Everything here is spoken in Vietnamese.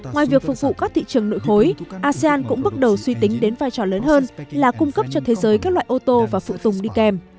ngoài việc phục vụ các thị trường nội khối asean cũng bước đầu suy tính đến vai trò lớn hơn là cung cấp cho thế giới các loại ô tô và phụ tùng đi kèm